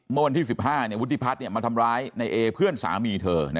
เมื่อวันที่๑๕วุฒิพัฒน์มาทำร้ายในเอเพื่อนสามีเธอ